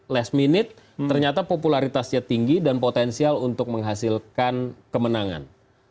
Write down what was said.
last minute ternyata popularitasnya tinggi dan potensial untuk menghasilkan kemenangan